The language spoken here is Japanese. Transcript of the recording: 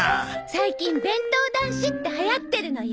最近「弁当男子」って流行ってるのよ。